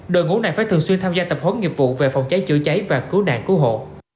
đội ngũ này phải thường xuyên tham gia tập huấn nghiệp vụ về phòng cháy chữa cháy và cứu nạn cứu hộ